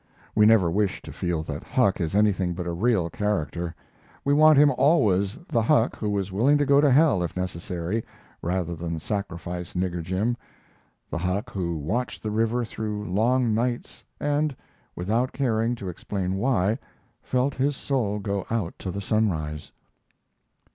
We never wish to feel that Huck is anything but a real character. We want him always the Huck who was willing to go to hell if necessary, rather than sacrifice Nigger Jim; the Huck who watched the river through long nights, and, without caring to explain why, felt his soul go out to the sunrise.